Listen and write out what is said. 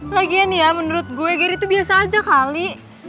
lagian ya menurut gue gery itu biasa aja kali